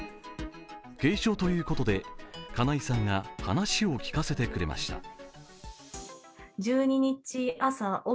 軽症ということで金井さんが話を聞かせてくれました。